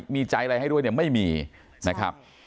มีใจอะไรให้ด้วยเนี่ยไม่มีนะครับ